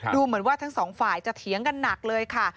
ดูเหมือนว่าทั้งสองฝ่ายจะเถียงกันหนักเลยค่ะ